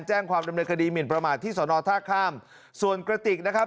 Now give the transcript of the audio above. แจ้งความดำเนินคดีหมินประมาทที่สอนอท่าข้ามส่วนกระติกนะครับ